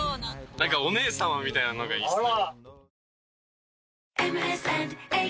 何かお姉さまみたいなのがいいですね。